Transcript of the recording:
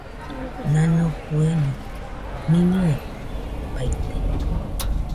Nano fueño miñɨe baite.